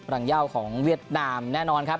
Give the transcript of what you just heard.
อย่างเย่าของเวียดนามแน่นอนครับ